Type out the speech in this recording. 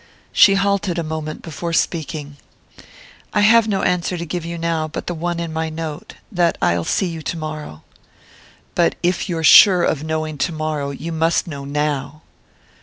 She halted a moment before speaking. "I have no answer to give you now but the one in my note that I'll see you tomorrow." "But if you're sure of knowing tomorrow you must know now!"